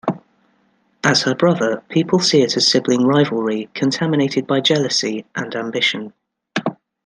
As her brother, people see it as sibling rivalry, contaminated by jealousy, and ambition.